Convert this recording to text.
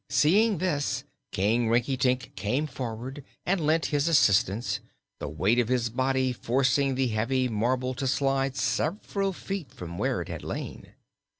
Seeing this, King Rinkitink came forward and lent his assistance, the weight of his body forcing the heavy marble to slide several feet from where it had lain.